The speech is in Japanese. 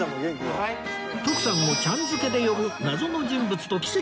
徳さんをちゃん付けで呼ぶ謎の人物と奇跡の出会い